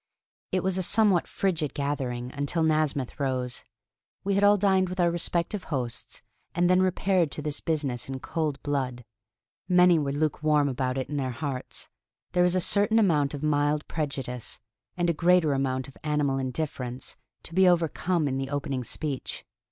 It was a somewhat frigid gathering until Nasmyth rose. We had all dined with our respective hosts, and then repaired to this business in cold blood. Many were lukewarm about it in their hearts; there was a certain amount of mild prejudice, and a greater amount of animal indifference, to be overcome in the opening speech.